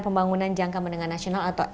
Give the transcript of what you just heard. pembangunan jangka menengah nasional atau